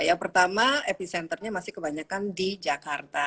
yang pertama epicenter nya masih kebanyakan di jakarta